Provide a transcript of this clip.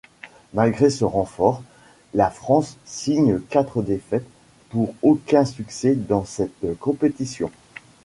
Malgré ce renfort, la France signe quatre défaites pour aucun succès dans cette compétition.